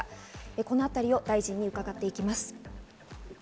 このあたりを大事に伺っていきます。